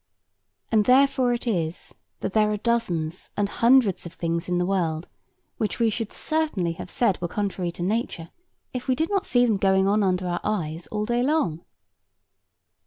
And therefore it is, that there are dozens and hundreds of things in the world which we should certainly have said were contrary to nature, if we did not see them going on under our eyes all day long.